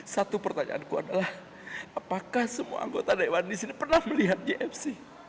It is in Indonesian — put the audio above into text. satu pertanyaanku adalah apakah semua anggota dewan disini pernah melihat jsc